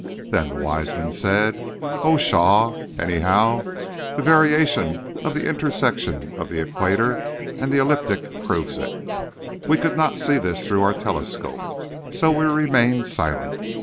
Then the wise men said: "Oh, pshaw! anyhow, the variation of the intersection of the equator and the ecliptic proves it." We could not see this through our telescope, so we remained silent.